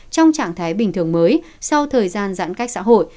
trong trạng thái bình thường mới sau thời gian giãn cách xã hội